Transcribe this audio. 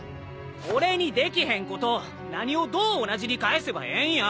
俺にできへんこと何をどう同じに返せばええんや！